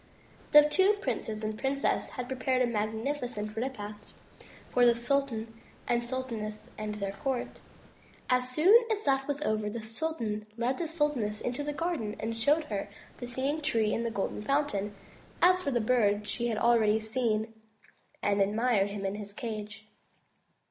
The two princes and the princess had prepared a magnificent repast for the sultan and sultaness and their court. As soon as that was over the sultan led the sultaness into the garden and showed her the Singing Tree and the Golden Fountain. As for the Bird she had already seen and admired him in his cage.